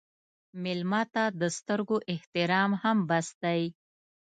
مېلمه ته د سترګو احترام هم بس دی.